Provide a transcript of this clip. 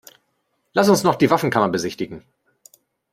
Lass uns noch die Waffenkammer besichtigen.